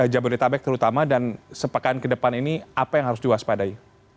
jabodetabek terutama dan sepekan ke depan ini apa yang harus diwaspadai